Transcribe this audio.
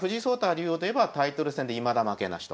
竜王といえばタイトル戦でいまだ負けなしと。